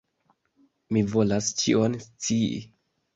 Mi volas ĉion scii!